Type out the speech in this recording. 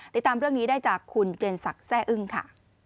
ติดตามเรื่องนี้ได้จากคุณเจนศักดิ์แซ่อึ้งค่ะ